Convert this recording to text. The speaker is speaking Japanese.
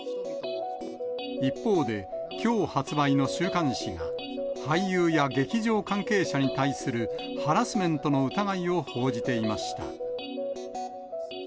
一方で、きょう発売の週刊誌が、俳優や劇場関係者に対するハラスメントの疑いを報じていました。